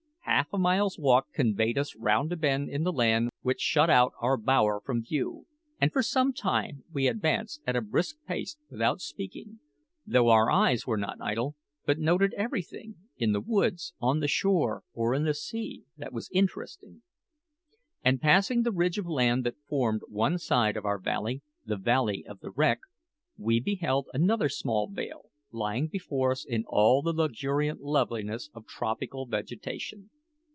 Half a mile's walk conveyed us round a bend in the land which shut out our bower from view, and for some time we advanced at a brisk pace without speaking, though our eyes were not idle, but noted everything in the woods, on the shore, or in the sea that was interesting. After passing the ridge of land that formed one side of our valley the Valley of the Wreck we beheld another small vale lying before us in all the luxuriant loveliness of tropical vegetation.